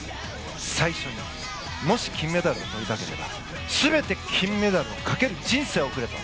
最初にもし金メダルをとりたければ全て金メダルにかける人生を送れと。